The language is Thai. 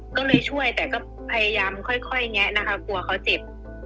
ก็เลยช่วยแต่ก็พยายามค่อยแงะนะคะกลัวเขาเจ็บ